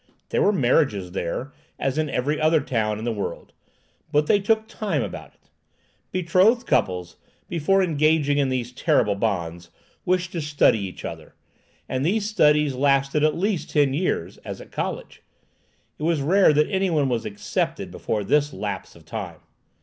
There were marriages there, as in every other town in the world; but they took time about it. Betrothed couples, before engaging in these terrible bonds, wished to study each other; and these studies lasted at least ten years, as at college. It was rare that any one was "accepted" before this lapse of time.